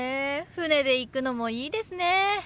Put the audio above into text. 船で行くのもいいですね。